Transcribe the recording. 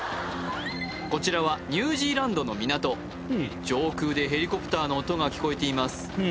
こちらはニュージーランドの港上空でヘリコプターの音が聞こえています